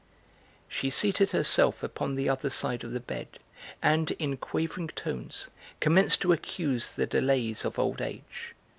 She seated herself upon the other side of the bed and in quavering tones commenced to accuse the delays of old age.